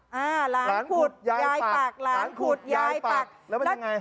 หลานขุดยายปากหลานขุดยายปากแล้วไง